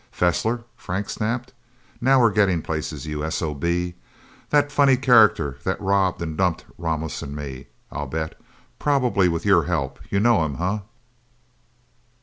"Fessler!" Frank snapped. "Now we're getting places, you S.O.B.! The funny character that robbed and dumped Ramos and me, I'll bet. Probably with your help! You know him, huh?"